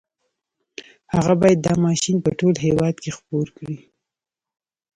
هغه بايد دا ماشين په ټول هېواد کې خپور کړي.